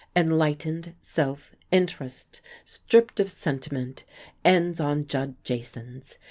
Enlightened self interest, stripped of sentiment, ends on Judd Jasons.